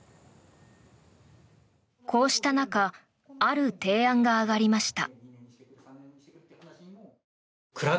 こうした中ある提案が上がりました。